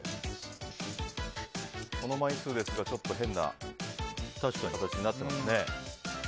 この枚数ですが、ちょっと変な形になってますね。